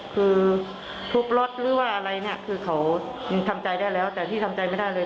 คือทุบล็อตหรือว่าอะไรคือเขาทำใจได้แล้วแต่ที่ทำใจไม่ได้เลย